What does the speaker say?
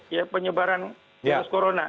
ya penyebaran virus corona